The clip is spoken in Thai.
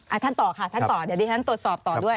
ท่านต่อค่ะท่านต่อเดี๋ยวดิฉันตรวจสอบต่อด้วย